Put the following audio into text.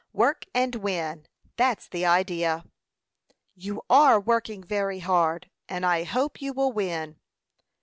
Work and win; that's the idea." "You are working very hard, and I hope you will win."